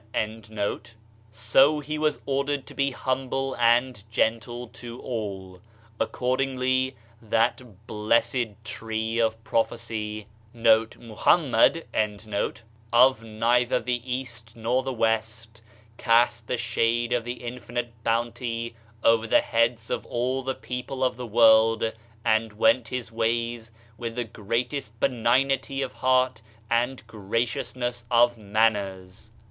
' So he was ordered to be humble and gentle to all. Accordingly that "Blessed Tree of Prophecy' of neither the East nor the West" cast the shade of the infinite bounty over the heads of all the people of the world and went his ways with the greatest benignity of heart and graciousncss of manners.